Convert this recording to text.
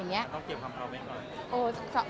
เขาเกี่ยวคำคำเขาไหม